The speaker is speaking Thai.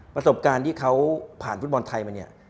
ประสบการณ์ที่เขาผ่านฟุตบอลไทยมาเนี่ย